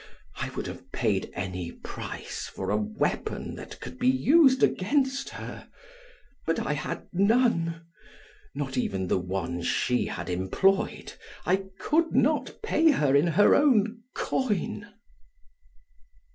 I would have paid any price for a weapon that could be used against her. But I had none, not even the one she had employed; I could not pay her in her own coin.